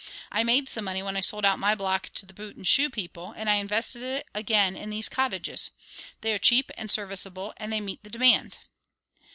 I made some money when I sold out my block to the boot and shoe people, and I invested it again in these cottages. They are cheap and serviceable and they meet the demand."